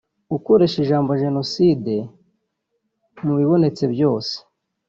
Gukoresha ijambo Jenoside mu bibonetse byose